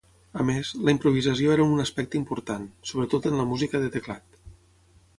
A més, la improvisació era un aspecte important, sobretot en la música de teclat.